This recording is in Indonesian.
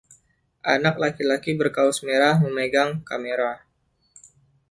Anak laki-laki berkaus merah memegang kamera.